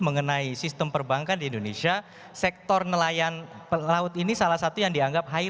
mengenai sistem perbankan di indonesia sektor nelayan laut ini salah satu yang dianggap high